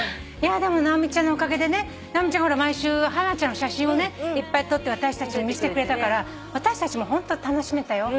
でも直美ちゃんのおかげで直美ちゃんが毎週ハナちゃんの写真をいっぱい撮って私たちに見せてくれたから私たちもホント楽しめたよ。